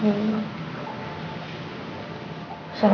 iya minta alih itu kita